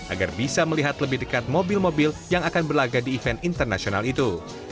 agar bisa melihat lebih dekat mobil mobil yang akan berlaga di event internasional itu